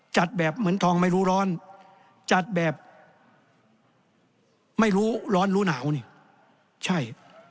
จัดแบบเหมือนทองไม่รู้ร้อนจัดแบบไม่รู้ร้อนรู้หนาวนี่ใช่